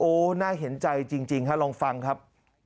โอ้โหน่าเห็นใจจริงฮะลองฟังครับ